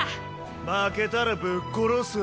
負けたらぶっ殺す。